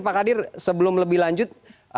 pak kadir sebelum lebih lanjut